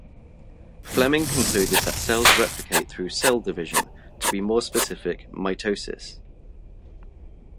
Flemming concluded that cells replicate through cell division, to be more specific mitosis.